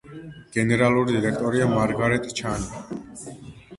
გენერალური დირექტორია მარგარეტ ჩანი.